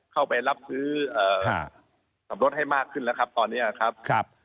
เข้าไปรับซื้อสับรสให้มากขึ้นแล้วครับตอนนี้ครับ